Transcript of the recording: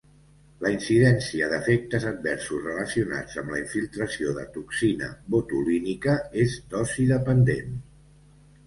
La incidència d'efectes adversos relacionats amb la infiltració de toxina botulínica és dosi dependent.